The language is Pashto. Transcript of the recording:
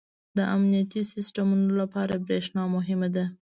• د امنیتي سیسټمونو لپاره برېښنا مهمه ده.